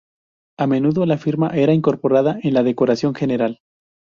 A menudo la firma era incorporada en la decoración general.